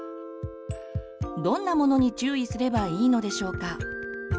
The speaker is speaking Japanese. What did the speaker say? どんなものに注意すればいいのでしょうか？